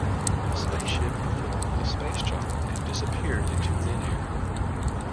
The space ship performed a space-jump and disappeared into thin air.